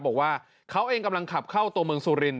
บอกว่าเขาเองกำลังขับเข้าตัวเมืองสุรินท